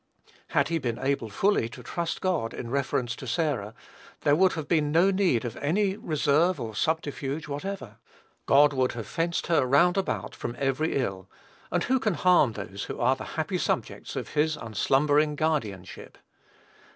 Had he been able fully to trust God in reference to Sarah, there would have been no need of any reserve or subterfuge whatever. God would have fenced her round about from every ill; and who can harm those who are the happy subjects of his unslumbering guardianship?